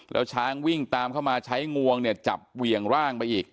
แล้วช้างวิ่งตามเข้ามาใช้งวงเนี่ยจับเหวี่ยงร่างไปอีก